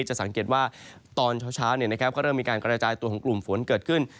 จะสังเกตว่าตอนเช้าก็เริ่มมีการกระจายตัวของกลุ่มฝนเกิดขึ้น